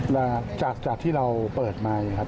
แล้วจากที่เราเปิดมานะครับ